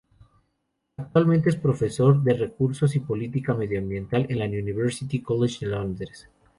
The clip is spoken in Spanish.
Actualmente es Profesor de Recursos y Política Medioambiental en University College de Londres.